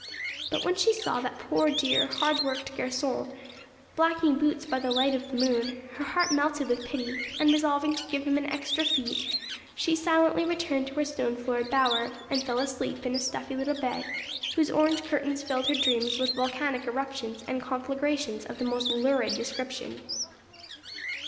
But when she saw that poor, dear, hard worked garçon blacking boots by the light of the moon, her heart melted with pity; and, resolving to give him an extra fee, she silently retired to her stone floored bower, and fell asleep in a stuffy little bed, whose orange curtains filled her dreams with volcanic eruptions and conflagrations of the most lurid description.